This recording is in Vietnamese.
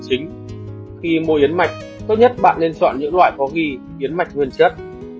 chính khi mô yến mạch tốt nhất bạn nên chọn những loại có ghi yến mạch nguyên chất